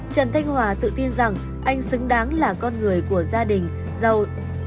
trần thanh hòa tự tin rằng anh xứng đáng là con người của gia đình giàu